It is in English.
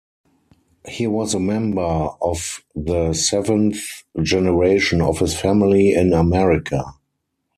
He was a member of the seventh generation of his family in America.